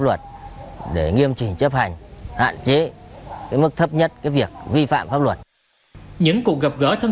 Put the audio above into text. luật để nghiêm chỉnh chấp hành hạn chế mức thấp nhất việc vi phạm pháp luật những cuộc gặp gỡ thân